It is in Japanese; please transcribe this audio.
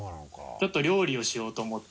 ちょっと料理をしようと思って。